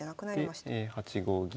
で８五銀。